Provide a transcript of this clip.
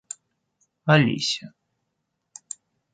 Олеся